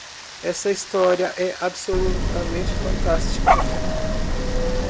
Esta história é absolutamente fantástica!